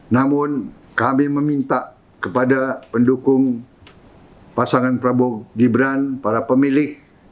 namun kami meminta kepada pendukung pasangan prabowo gibran para pemilih